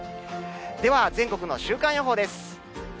では全国の週間予報です。